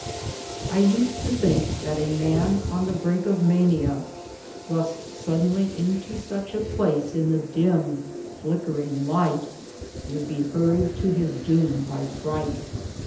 I used to think that a man on the brink of mania apotii, thrust suddenly into such a place in the dim flickering light, would be hur ried to his doom by fright.